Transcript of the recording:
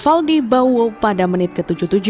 valdi bawo pada menit ke tujuh puluh tujuh